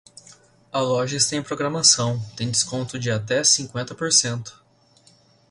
A loja está em programação, tem desconto de até cinquenta por cento.